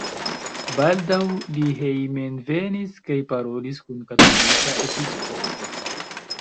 Baldaŭ li hejmenvenis kaj parolis kun katolika episkopo.